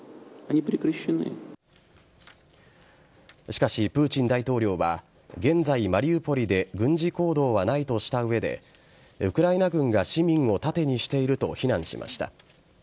しかし、プーチン大統領は現在、マリウポリで軍事行動はないとした上でウクライナ軍が市民を盾にしていると非難しました。